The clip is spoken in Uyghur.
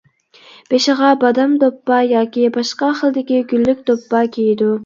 بېشىغا بادام دوپپا ياكى باشقا خىلدىكى گۈللۈك دوپپا كىيىدۇ.